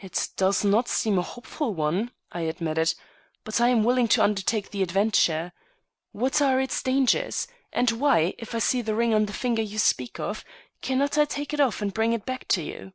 "It does not seem a hopeful one," I admitted; "but I am willing to undertake the adventure. What are its dangers? And why, if I see the ring on the finger you speak of, cannot I take it off and bring it back to you?"